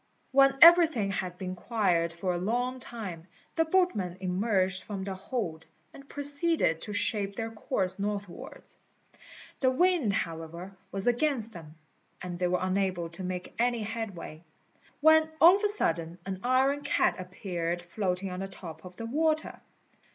When everything had been quiet for a long time, the boatmen emerged from the hold, and proceeded to shape their course northwards. The wind, however, was against them, and they were unable to make any headway; when all of a sudden an iron cat appeared floating on the top of the water.